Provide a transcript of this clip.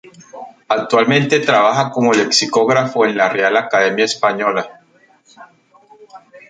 Actualmente trabaja como lexicógrafo en la Real Academia Española.